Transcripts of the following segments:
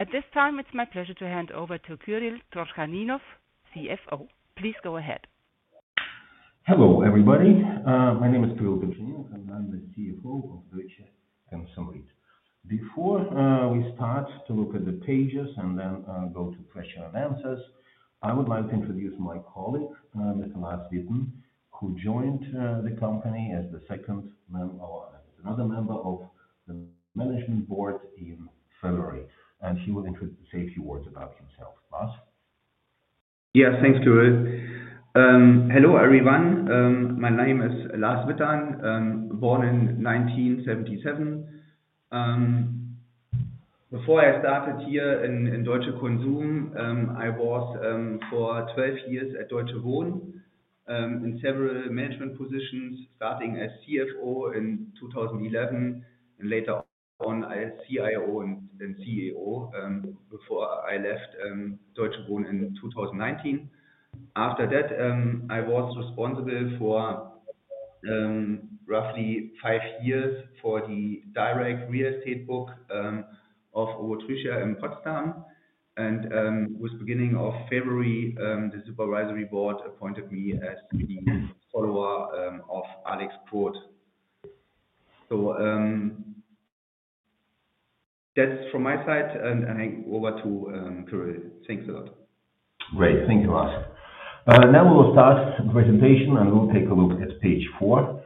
At this time, it's my pleasure to hand over to Kyrill Turchaninov, CFO. Please go ahead. Hello, everybody. My name is Kyrill Turchaninov, and I'm the CFO of Deutsche Konsum REIT. Before we start to look at the pages and then go to questions and answers, I would like to introduce my colleague, Lars Wittan, who joined the company as the second member or another member of the management board in February. He will say a few words about himself. Lars? Yes, thanks, Kyrill. Hello, everyone. My name is Lars Wittan, born in 1977. Before I started here in Deutsche Konsum, I was for 12 years at Deutsche Wohnen in several management positions, starting as CFO in 2011 and later on as CIO and CEO before I left Deutsche Wohnen in 2019. After that, I was responsible for roughly five years for the direct real estate book of Obotritia in Potsdam. With the beginning of February, the Supervisory Board appointed me as the follower of Alex Kroth. That is from my side, and I hand it over to Kyrill. Thanks a lot. Great. Thank you, Lars. Now we will start the presentation, and we'll take a look at page 4,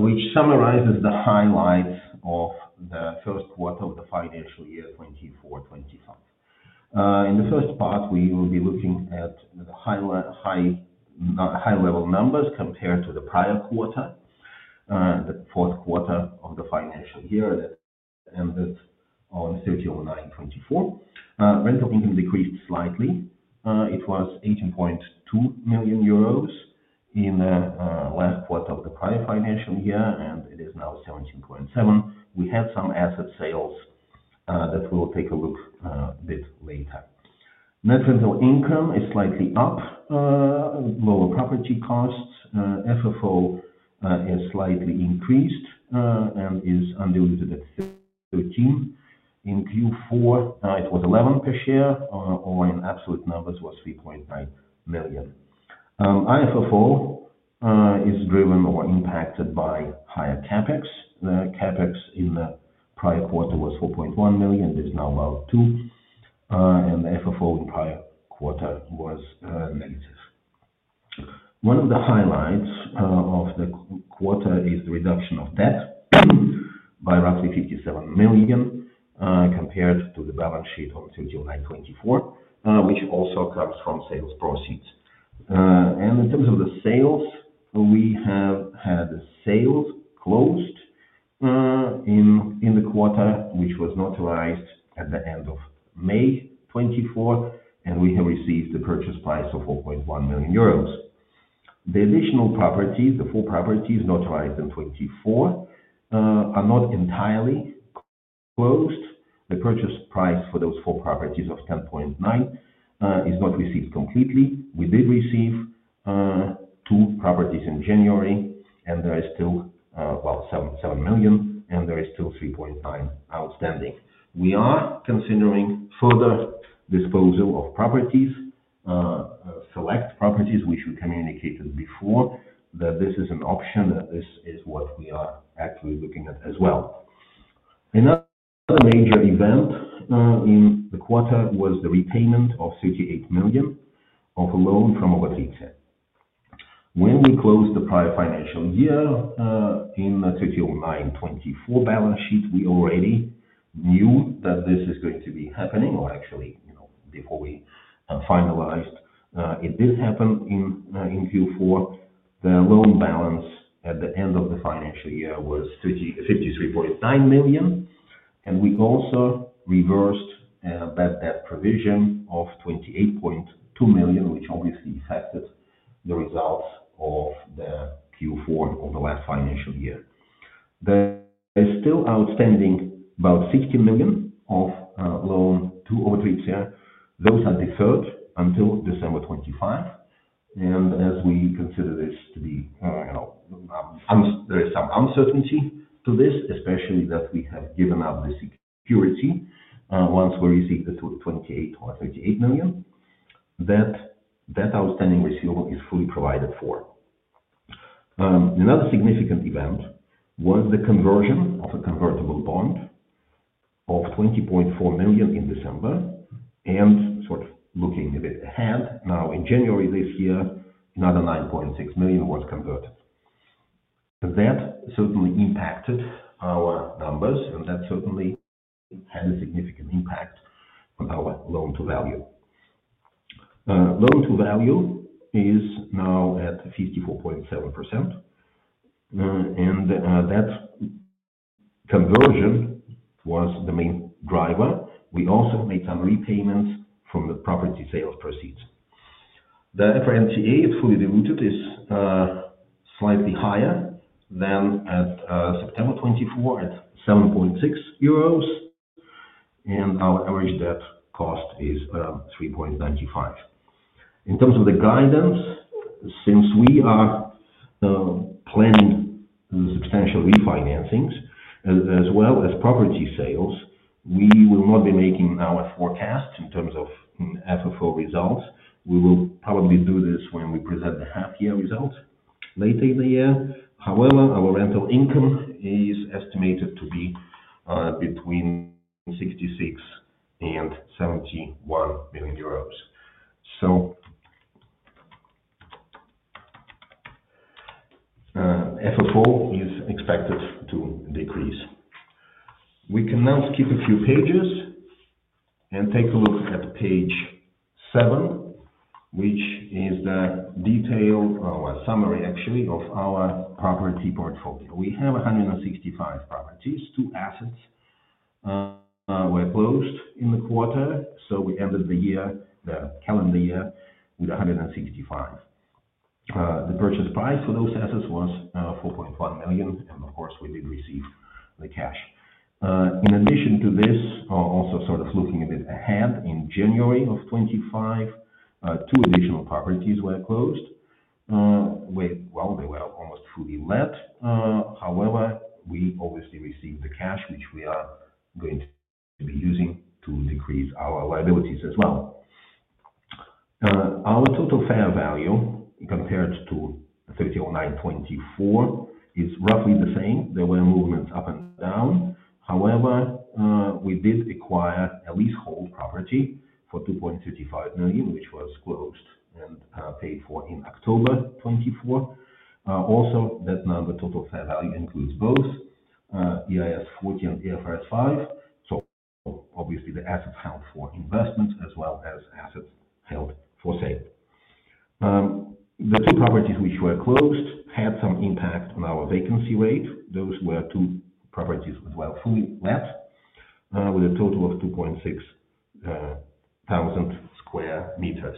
which summarizes the highlights of the first quarter of the financial year 2024/2025. In the first part, we will be looking at the high-level numbers compared to the prior quarter, the fourth quarter of the financial year that ended on 30/09/2024. Rental income decreased slightly. It was 18.2 million euros in the last quarter of the prior financial year, and it is now 17.7 million. We had some asset sales that we'll take a look at a bit later. Net rental income is slightly up, lower property costs. FFO is slightly increased and is undiluted at 13. In Q4, it was 11 per share, or in absolute numbers, it was 3.9 million. AFFO is driven or impacted by higher CapEx. The CapEx in the prior quarter was 4.1 million. It is now about 2. The FFO in the prior quarter was negative. One of the highlights of the quarter is the reduction of debt by roughly 57 million compared to the balance sheet until July 2024, which also comes from sales proceeds. In terms of the sales, we have had sales closed in the quarter, which was notarized at the end of May 2024, and we have received the purchase price of 4.1 million euros. The additional properties, the four properties notarized in 2024, are not entirely closed. The purchase price for those four properties of 10.9 million is not received completely. We did receive two properties in January, and there is still 7 million, and there is still 3.9 million outstanding. We are considering further disposal of properties, select properties, which we communicated before that this is an option, that this is what we are actually looking at as well. Another major event in the quarter was the repayment of 38 million of a loan from Obotritia. When we closed the prior financial year in the 30/09/2024 balance sheet, we already knew that this is going to be happening, or actually, before we finalized, it did happen in Q4. The loan balance at the end of the financial year was 53.9 million, and we also reversed a bad debt provision of 28.2 million, which obviously affected the results of the Q4 of the last financial year. There is still outstanding about 60 million of loan to Obotritia. Those are deferred until December 2025. As we consider this to be there is some uncertainty to this, especially that we have given up the security once we received the 28 or 38 million, that that outstanding receivable is fully provided for. Another significant event was the conversion of a convertible bond of 20.4 million in December. Sort of looking a bit ahead, now in January this year, another 9.6 million was converted. That certainly impacted our numbers, and that certainly had a significant impact on our loan-to-value. Loan-to-value is now at 54.7%, and that conversion was the main driver. We also made some repayments from the property sales proceeds. The EPRA NTA, its fully diluted, is slightly higher than at September 2024 at 7.6 euros, and our average debt cost is around 3.95%. In terms of the guidance, since we are planning substantial refinancings as well as property sales, we will not be making our forecast in terms of FFO results. We will probably do this when we present the half-year result later in the year. However, our rental income is estimated to be between 66 million and EUR 71 million. FFO is expected to decrease. We can now skip a few pages and take a look at page 7, which is the detail, or summary actually, of our property portfolio. We have 165 properties. Two assets were closed in the quarter, so we ended the year, the calendar year, with 165. The purchase price for those assets was 4.1 million, and of course, we did receive the cash. In addition to this, also sort of looking a bit ahead, in January of 2025, two additional properties were closed. They were almost fully let. However, we obviously received the cash, which we are going to be using to decrease our liabilities as well. Our total fair value compared to 30/09/2024 is roughly the same. There were movements up and down. However, we did acquire a leasehold property for 2.35 million, which was closed and paid for in October 2024. Also, that number, total fair value, includes both IAS 40 and IFRS 5. Obviously, the assets held for investments as well as assets held for sale. The two properties which were closed had some impact on our vacancy rate. Those were two properties as well, fully let, with a total of 2,600 sq m.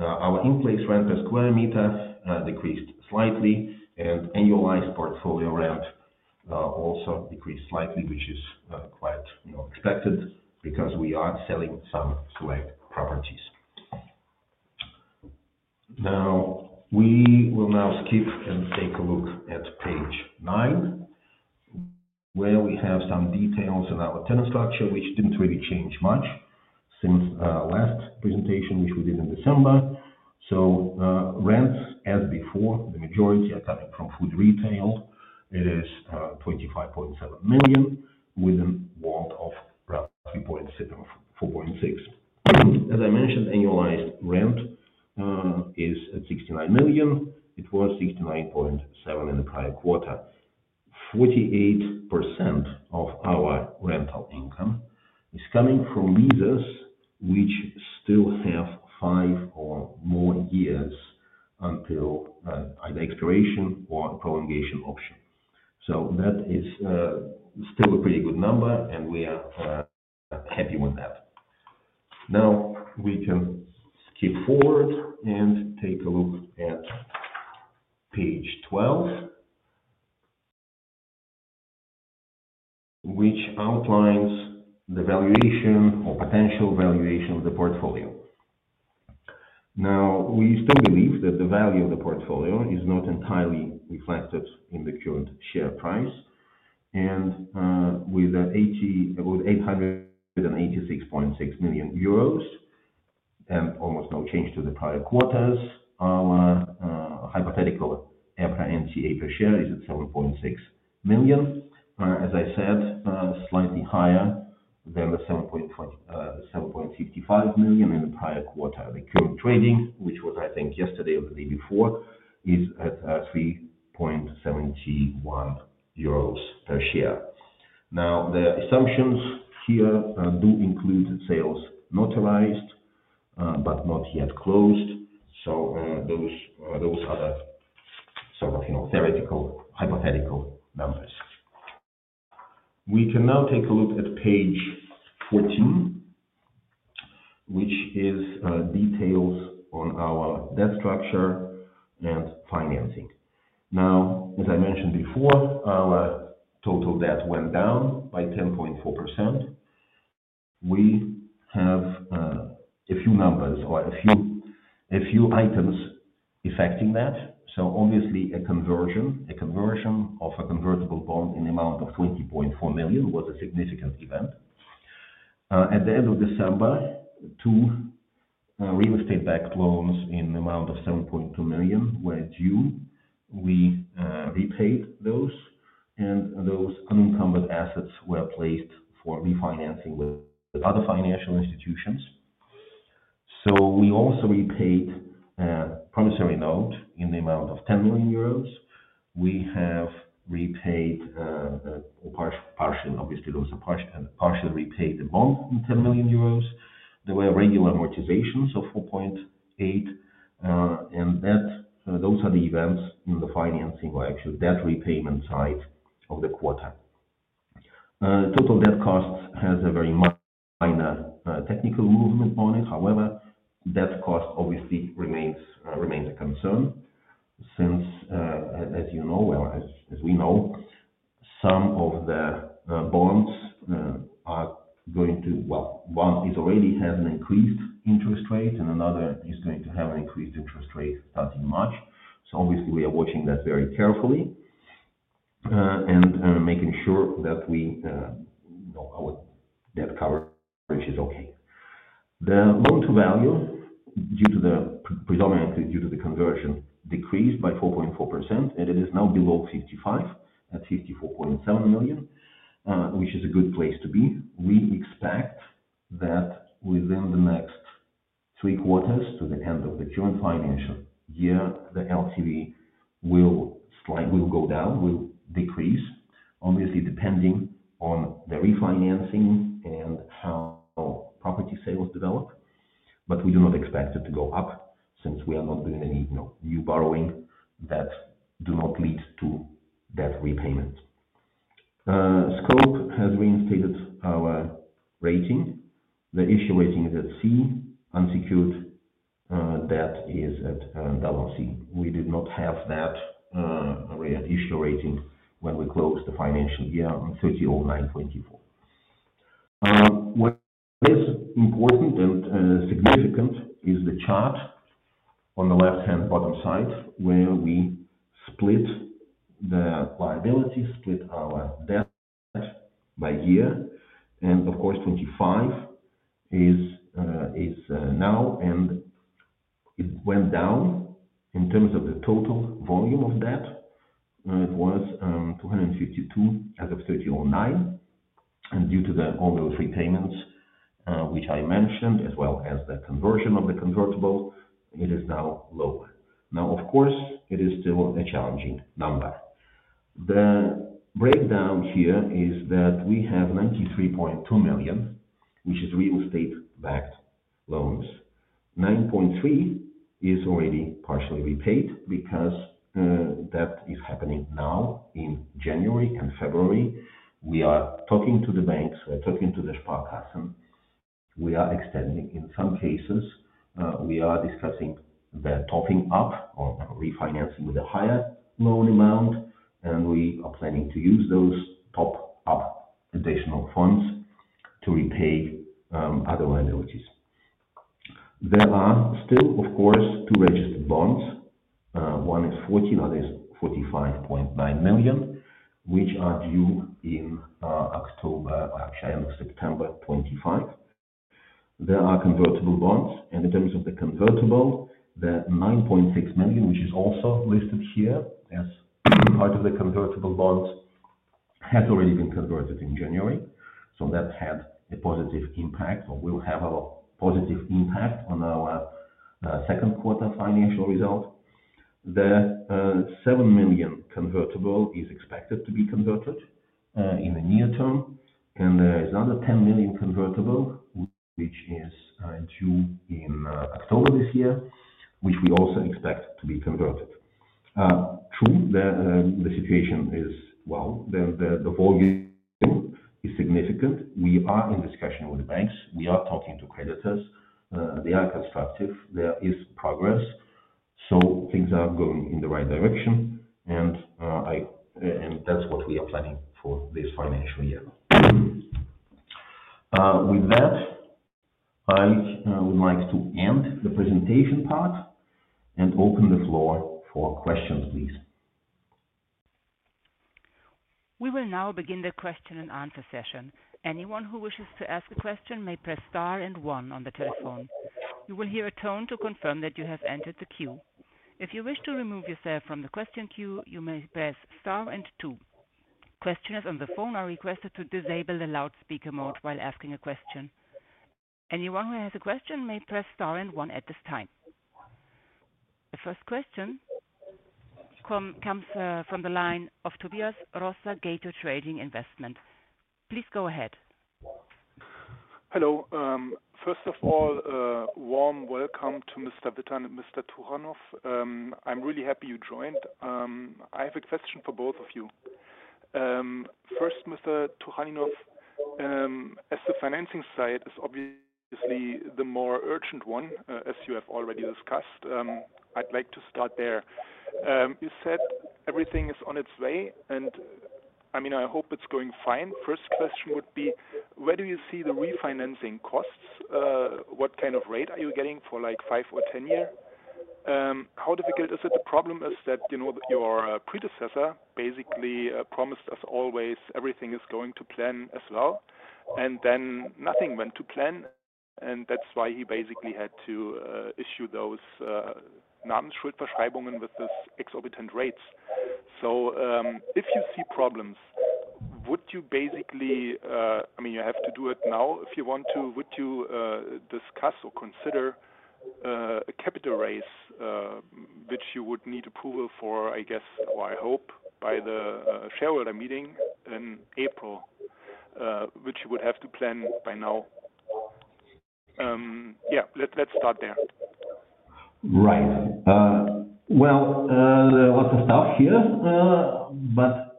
Our in-place rent per sq m decreased slightly, and annualized portfolio rent also decreased slightly, which is quite expected because we are selling some select properties. Now, we will now skip and take a look at page 9, where we have some details in our tenant structure, which did not really change much since last presentation, which we did in December. Rents, as before, the majority are coming from food retail. It is 25.7 million with an amount of around 4.6 million. As I mentioned, annualized rent is at 69 million. It was €69.7 million in the prior quarter. 48% of our rental income is coming from leases which still have five or more years until either expiration or prolongation option. That is still a pretty good number, and we are happy with that. Now, we can skip forward and take a look at page 12, which outlines the valuation or potential valuation of the portfolio. We still believe that the value of the portfolio is not entirely reflected in the current share price. With €886.6 million and almost no change to the prior quarters, our hypothetical EPRA NTA per share is at €7.6. As I said, slightly higher than the €7.55 in the prior quarter. The current trading, which was, I think, yesterday or the day before, is at €3.71 per share. The assumptions here do include sales notarized but not yet closed. Those are the sort of theoretical, hypothetical numbers. We can now take a look at page 14, which is details on our debt structure and financing. As I mentioned before, our total debt went down by 10.4%. We have a few numbers or a few items affecting that. Obviously, a conversion of a convertible bond in the amount of 20.4 million was a significant event. At the end of December, two real estate-backed loans in the amount of 7.2 million were due. We repaid those, and those unencumbered assets were placed for refinancing with other financial institutions. We also repaid a promissory note in the amount of 10 million euros. We have repaid partially; obviously, those are partially repaid bonds in 10 million euros. There were regular amortizations of 4.8 million, and those are the events in the financing or actually debt repayment side of the quarter. Total debt costs has a very minor technical movement on it. However, debt cost obviously remains a concern since, as you know, as we know, some of the bonds are going to, one is already has an increased interest rate, and another is going to have an increased interest rate starting March. Obviously, we are watching that very carefully and making sure that our debt coverage is okay. The loan-to-value, predominantly due to the conversion, decreased by 4.4%, and it is now below 55 at 54.7 million, which is a good place to be. We expect that within the next three quarters to the end of the current financial year, the LTV will go down, will decrease, obviously depending on the refinancing and how property sales develop. We do not expect it to go up since we are not doing any new borrowing that do not lead to debt repayment. Scope has reinstated our rating. The issue rating is at C, unsecured debt is at CC. We did not have that issue rating when we closed the financial year on September 30, 2024. What is important and significant is the chart on the left-hand bottom side where we split the liabilities, split our debt by year. Of course, 2025 is now, and it went down. In terms of the total volume of debt, it was 252 million as of September 30. Due to all those repayments, which I mentioned, as well as the conversion of the convertible, it is now lower. Of course, it is still a challenging number. The breakdown here is that we have 93.2 million, which is real estate-backed loans. million is already partially repaid because that is happening now in January and February. We are talking to the banks, we are talking to the Sparkasse. We are extending in some cases. We are discussing the topping up or refinancing with a higher loan amount, and we are planning to use those top-up additional funds to repay other liabilities. There are still, of course, two registered bonds. One is 40 million, another is 45.9 million, which are due in October, actually end of September 2025. There are convertible bonds. In terms of the convertible, the 9.6 million, which is also listed here as part of the convertible bonds, has already been converted in January. That had a positive impact or will have a positive impact on our second quarter financial result. The 7 million convertible is expected to be converted in the near term. There is another 10 million convertible, which is due in October this year, which we also expect to be converted. True, the situation is, the volume is significant. We are in discussion with the banks. We are talking to creditors. They are constructive. There is progress. Things are going in the right direction, and that is what we are planning for this financial year. With that, I would like to end the presentation part and open the floor for questions, please. We will now begin the question and answer session. Anyone who wishes to ask a question may press star and one on the telephone. You will hear a tone to confirm that you have entered the queue. If you wish to remove yourself from the question queue, you may press star and two. Questioners on the phone are requested to disable the loudspeaker mode while asking a question. Anyone who has a question may press star and one at this time. The first question comes from the line of Tobias Rosa, Gator Trading Investment. Please go ahead. Hello. First of all, warm welcome to Mr. Wittan and Mr. Turchaninov. I'm really happy you joined. I have a question for both of you. First, Mr. Turchaninov, as the financing side is obviously the more urgent one, as you have already discussed, I'd like to start there. You said everything is on its way, and I mean, I hope it's going fine. First question would be, where do you see the refinancing costs? What kind of rate are you getting for like five or ten years? How difficult is it? The problem is that your predecessor basically promised us always everything is going to plan as well, and then nothing went to plan, and that's why he basically had to issue those Namensschuldverschreibungen with these exorbitant rates. If you see problems, would you basically, I mean, you have to do it now if you want to, would you discuss or consider a capital raise, which you would need approval for, I guess, or I hope by the shareholder meeting in April, which you would have to plan by now? Let's start there. Right. There was a start here, but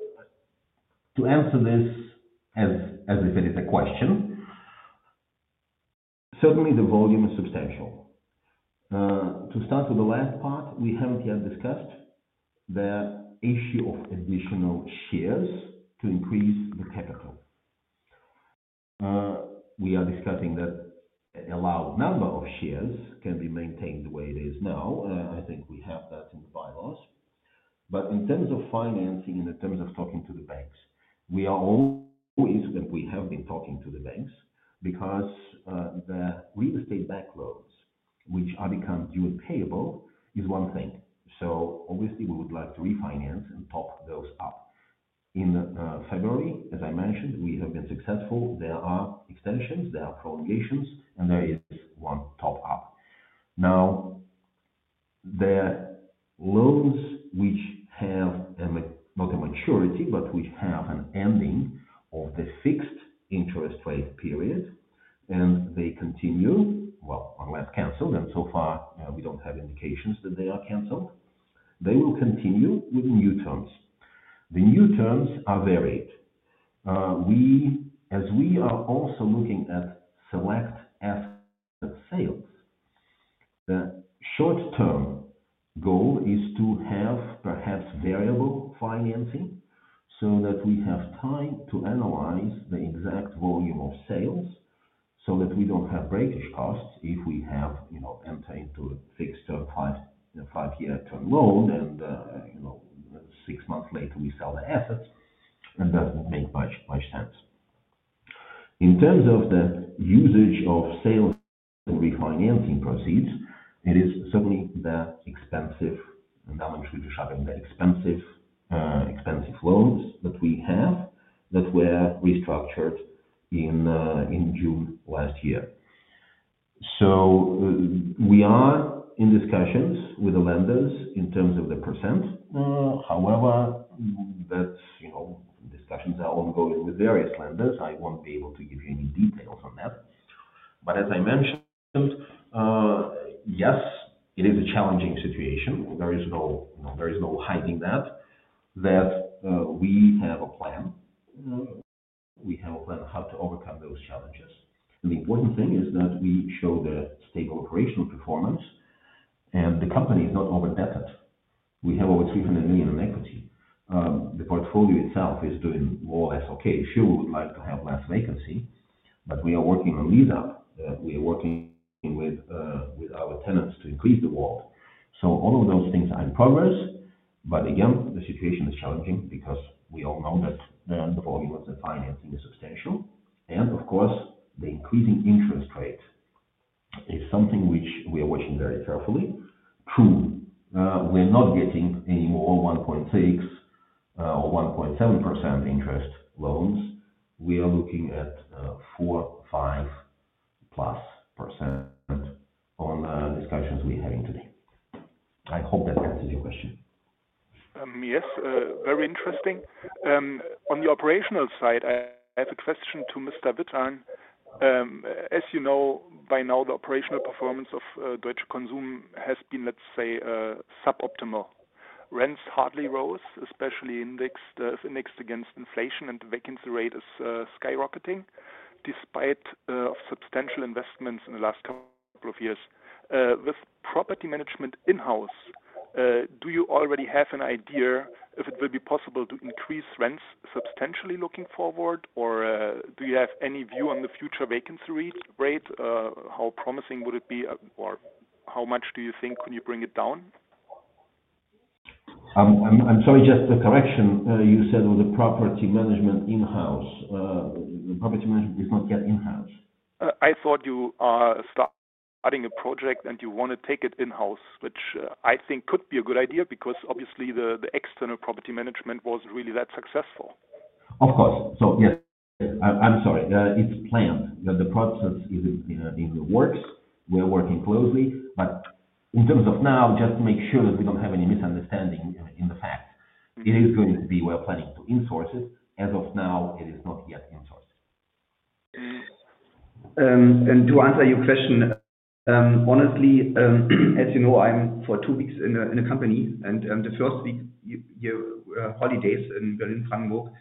to answer this, as we said, it's a question. Certainly, the volume is substantial. To start with the last part, we haven't yet discussed the issue of additional shares to increase the capital. We are discussing that a large number of shares can be maintained the way it is now. I think we have that in the bylaws. In terms of financing and in terms of talking to the banks, we are always, and we have been talking to the banks because the real estate backed loans, which are become due and payable, is one thing. Obviously, we would like to refinance and top those up. In February, as I mentioned, we have been successful. There are extensions, there are prolongations, and there is one top-up. Now, the loans which have not a maturity, but which have an ending of the fixed interest rate period, and they continue, unless canceled, and so far we do not have indications that they are canceled, they will continue with new terms. The new terms are varied. As we are also looking at select asset sales, the short-term goal is to have perhaps variable financing so that we have time to analyze the exact volume of sales so that we do not have breakage costs if we enter into a fixed-term, five-year-term loan, and six months later we sell the assets, and that would not make much sense. In terms of the usage of sales and refinancing proceeds, it is certainly the expensive Namensschuldverschreibungen, the expensive loans that we have that were restructured in June last year. We are in discussions with the lenders in terms of the %. However, discussions are ongoing with various lenders. I will not be able to give you any details on that. As I mentioned, yes, it is a challenging situation. There is no hiding that we have a plan. We have a plan on how to overcome those challenges. The important thing is that we show the stable operational performance, and the company is not overdebted. We have over 300 million in equity. The portfolio itself is doing more or less okay. Sure, we would like to have less vacancy, but we are working on lease-up. We are working with our tenants to increase the WALT. All of those things are in progress. Again, the situation is challenging because we all know that the volume of the financing is substantial. Of course, the increasing interest rate is something which we are watching very carefully. True, we're not getting any more 1.6% or 1.7% interest loans. We are looking at 4-5% plus on the discussions we're having today. I hope that answers your question. Yes, very interesting. On the operational side, I have a question to Mr. Wittan. As you know, by now, the operational performance of Deutsche Konsum has been, let's say, suboptimal. Rents hardly rose, especially indexed against inflation, and the vacancy rate is skyrocketing despite substantial investments in the last couple of years. With property management in-house, do you already have an idea if it will be possible to increase rents substantially looking forward, or do you have any view on the future vacancy rate? How promising would it be, or how much do you think can you bring it down? I'm sorry, just a correction. You said with the property management in-house, the property management is not yet in-house. I thought you are starting a project and you want to take it in-house, which I think could be a good idea because obviously the external property management wasn't really that successful. Of course. Yes, I'm sorry. It's planned. The process is in the works. We're working closely. In terms of now, just to make sure that we don't have any misunderstanding in the facts, it is going to be we are planning to insource it. As of now, it is not yet insourced. To answer your question, honestly, as you know, I'm for two weeks in a company, and the first week, holidays in Berlin-Brandenburg.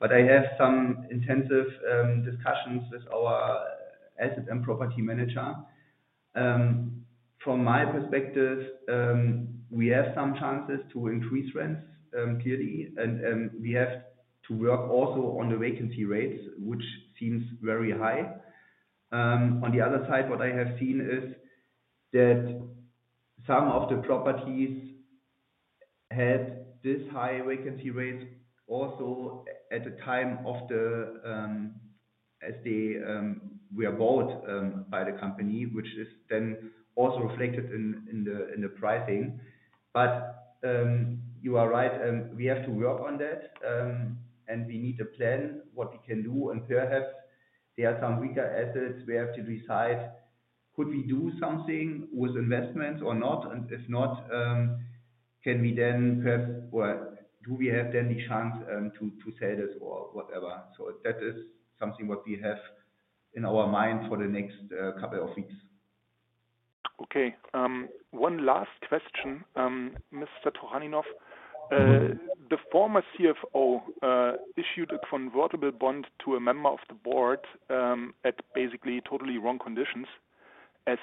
I have some intensive discussions with our asset and property manager. From my perspective, we have some chances to increase rents, clearly. We have to work also on the vacancy rates, which seems very high. On the other side, what I have seen is that some of the properties had this high vacancy rates also at the time of the as they were bought by the company, which is then also reflected in the pricing. You are right. We have to work on that, and we need a plan, what we can do. Perhaps there are some weaker assets we have to decide. Could we do something with investments or not? If not, can we then perhaps, or do we have then the chance to sell this or whatever? That is something what we have in our mind for the next couple of weeks. Okay. One last question, Mr. Turchaninov. The former CFO issued a convertible bond to a member of the board at basically totally wrong conditions. As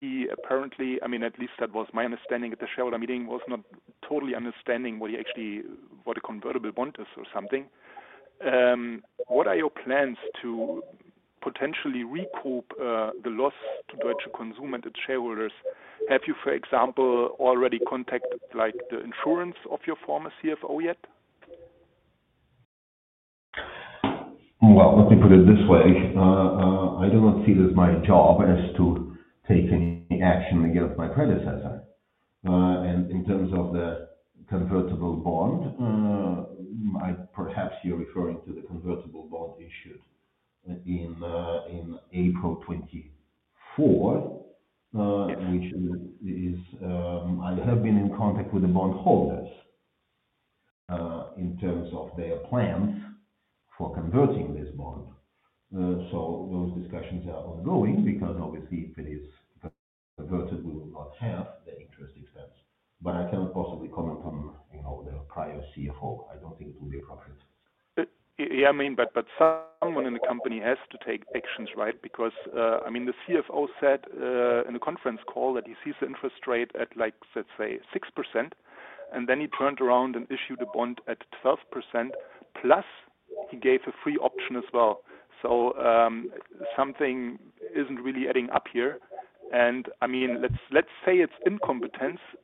he apparently, I mean, at least that was my understanding at the shareholder meeting, was not totally understanding what a convertible bond is or something. What are your plans to potentially recoup the loss to Deutsche Konsum and its shareholders? Have you, for example, already contacted the insurance of your former CFO yet? Let me put it this way. I do not see it as my job to take any action against my predecessor. In terms of the convertible bond, perhaps you're referring to the convertible bond issued in April 2024, which is I have been in contact with the bondholders in terms of their plans for converting this bond. Those discussions are ongoing because obviously, if it is converted, we will not have the interest expense. I cannot possibly comment on the prior CFO. I do not think it will be appropriate. I mean, but someone in the company has to take actions, right? I mean, the CFO said in a conference call that he sees the interest rate at, let's say, 6%, and then he turned around and issued a bond at 12%, plus he gave a free option as well. Something is not really adding up here. I mean, let's say it's incompetence, and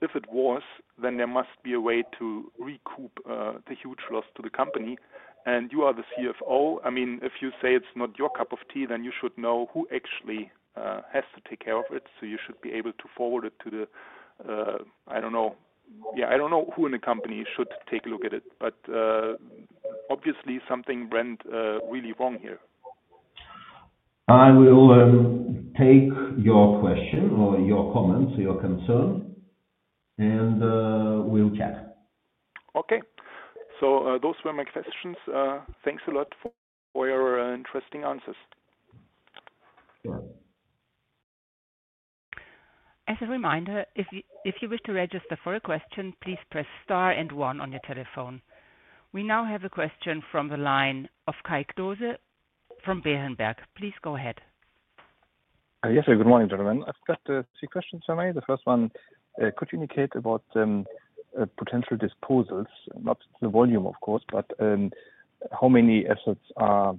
if it was, then there must be a way to recoup the huge loss to the company. You are the CFO. I mean, if you say it's not your cup of tea, then you should know who actually has to take care of it. You should be able to forward it to the, I don't know, yeah, I don't know who in the company should take a look at it. Obviously, something went really wrong here. I will take your question or your comments or your concern, and we'll chat. Okay. Those were my questions. Thanks a lot for your interesting answers. Sure. As a reminder, if you wish to register for a question, please press star and one on your telephone. We now have a question from the line of Kai Klose from Berenberg. Please go ahead. Yes, good morning, gentlemen. I've got three questions for me. The first one, could you indicate about potential disposals, not the volume, of course, but how many assets are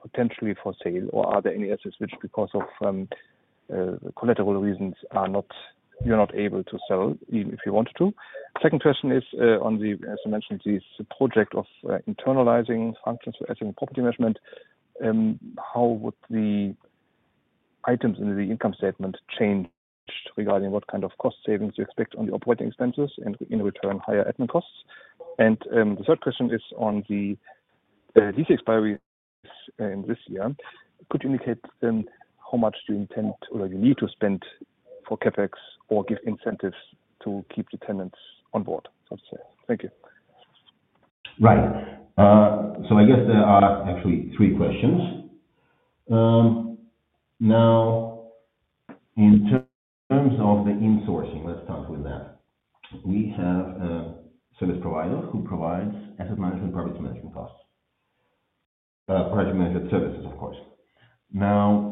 potentially for sale, or are there any assets which, because of collateral reasons, you're not able to sell even if you wanted to? Second question is, as I mentioned, this project of internalizing functions for asset and property management, how would the items in the income statement change regarding what kind of cost savings you expect on the operating expenses and, in return, higher admin costs? The third question is on the lease expiry in this year. Could you indicate how much do you intend or you need to spend for CapEx or give incentives to keep the tenants on board? Thank you. Right. I guess there are actually three questions. Now, in terms of the insourcing, let's start with that. We have a service provider who provides asset management, property management costs, property management services, of course. Now,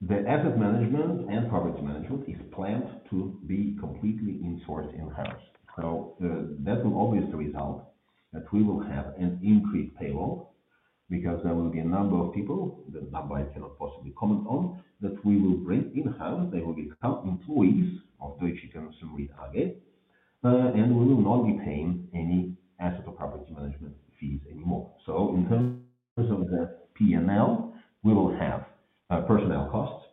the asset management and property management is planned to be completely insourced in-house. That will obviously result that we will have an increased payroll because there will be a number of people that number I cannot possibly comment on that we will bring in-house. They will become employees of Deutsche Konsum REIT, and we will not be paying any asset or property management fees anymore. In terms of the P&L, we will have personnel costs,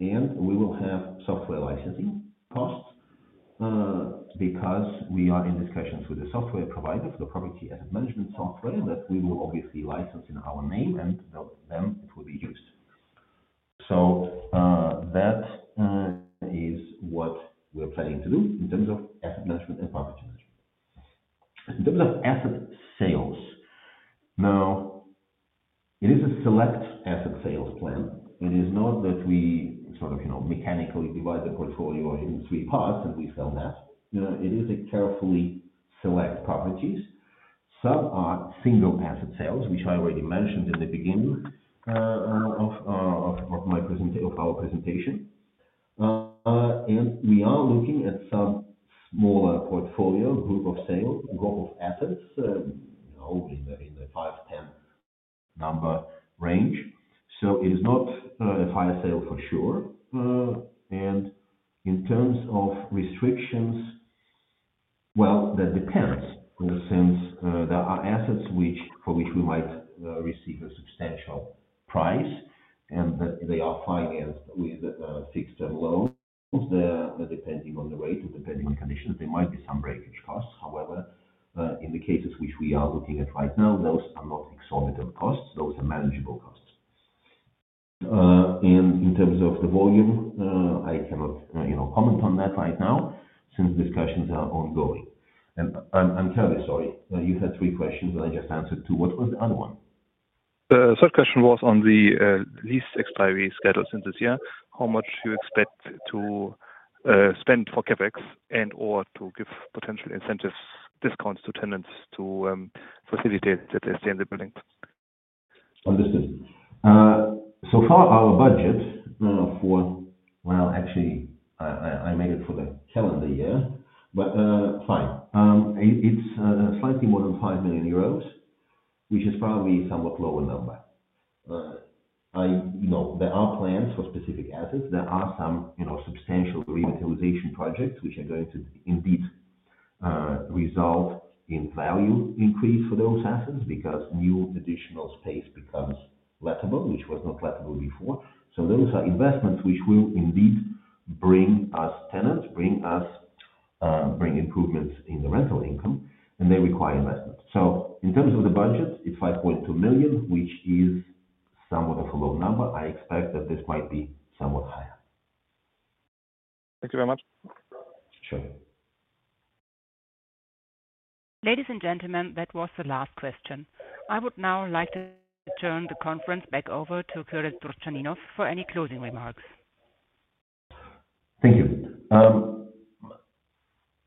and we will have software licensing costs because we are in discussions with the software provider for the property asset management software that we will obviously license in our name, and then it will be used. That is what we're planning to do in terms of asset management and property management. In terms of asset sales, now, it is a select asset sales plan. It is not that we sort of mechanically divide the portfolio into three parts and we sell that. It is a carefully select properties. Some are single asset sales, which I already mentioned in the beginning of our presentation. We are looking at some smaller portfolio group of sales, a group of assets, in the 5-10 number range. It is not a fire sale for sure. In terms of restrictions, that depends in the sense there are assets for which we might receive a substantial price, and they are financed with fixed-term loans. Depending on the rate and depending on conditions, there might be some breakage costs. However, in the cases which we are looking at right now, those are not exorbitant costs. Those are manageable costs. In terms of the volume, I cannot comment on that right now since discussions are ongoing. I'm terribly sorry. You had three questions, and I just answered two. What was the other one? The third question was on the lease expiry scheduled since this year. How much do you expect to spend for CapEx and/or to give potential incentives, discounts to tenants to facilitate that they stay in the building? Understood. So far, our budget for, actually, I made it for the calendar year, but fine. It is slightly more than 5 million euros, which is probably a somewhat lower number. There are plans for specific assets. There are some substantial revitalization projects which are going to indeed result in value increase for those assets because new additional space becomes lettable, which was not lettable before. Those are investments which will indeed bring us tenants, bring improvements in the rental income, and they require investment. In terms of the budget, it is 5.2 million, which is somewhat of a low number. I expect that this might be somewhat higher. Thank you very much. Sure. Ladies and gentlemen, that was the last question. I would now like to turn the conference back over to Kyrill Turchaninov for any closing remarks. Thank you.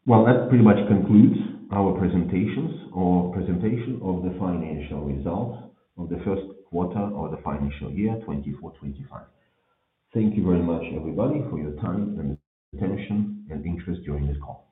That pretty much concludes our presentations or presentation of the financial results of the first quarter of the financial year 2024/2025. Thank you very much, everybody, for your time and attention and interest during this call.